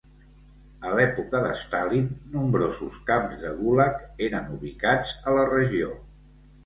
A l'època de Stalin, nombrosos camps de Gulag eren ubicats a la regió.